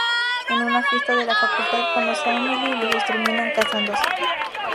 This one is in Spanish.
En una fiesta de la facultad conoce a Emily y los dos terminan casándose.